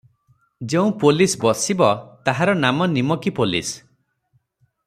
ଯେଉଁ ପୋଲିଶ ବସିବ, ତାହାର ନାମ ନିମକୀ ପୋଲିଶ ।